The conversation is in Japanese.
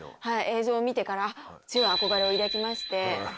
映像を見てから強い憧れを抱きまして。